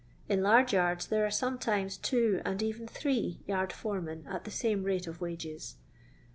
In large yards there are sometimes two and even three yard foremen at the same rate of wages.